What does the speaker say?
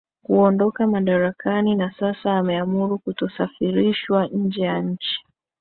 kuondoka madarakani na sasa ameamuru kutosafirishwa nje ya nchi